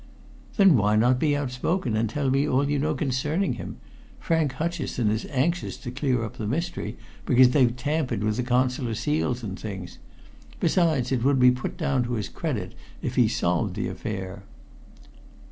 "Then why not be outspoken and tell me all you know concerning him? Frank Hutcheson is anxious to clear up the mystery because they've tampered with the Consular seals and things. Besides, it would be put down to his credit if he solved the affair."